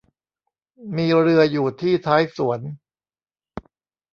มีเรืออยู่ที่ท้ายสวน